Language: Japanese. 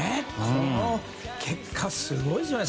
この結果、すごいですよ。